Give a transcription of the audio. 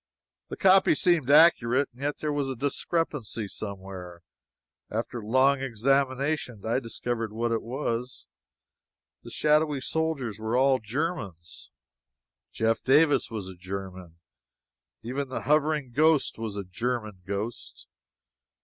The copy seemed accurate, and yet there was a discrepancy somewhere. After a long examination I discovered what it was the shadowy soldiers were all Germans! Jeff Davis was a German! even the hovering ghost was a German ghost!